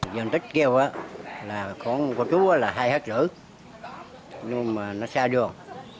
dân tích kêu là có chú là hai năm ha nhưng mà nó xa đường